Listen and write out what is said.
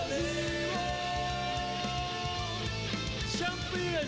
ตอนนี้มวยกู้ที่๓ของรายการ